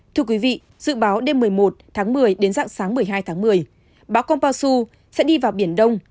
thưa quý vị dự báo đêm một mươi một tháng một mươi đến sáng một mươi hai tháng một mươi báo kompassu sẽ đi vào biển đông